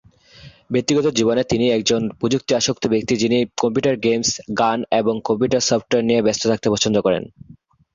ব্যক্তিগত জীবনে তিনি একজন প্রযুক্তি আসক্ত ব্যক্তি যিনি কম্পিউটার গেমস, গান এবং কম্পিউটার সফটওয়্যার নিয়ে ব্যস্ত থাকতে পছন্দ করেন।